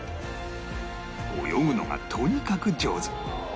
泳ぐのがとにかく上手